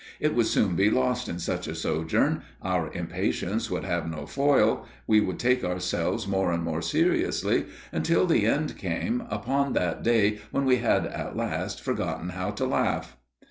It would soon be lost in such a sojourn, our impatience would have no foil, we would take ourselves more and more seriously until the end came upon that day when we had at last forgotten how to laugh.